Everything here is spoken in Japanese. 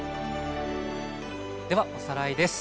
ではおさらいです。